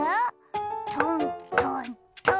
トントントーン。